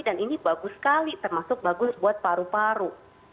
dan ini bagus sekali termasuk bagus buat paru paru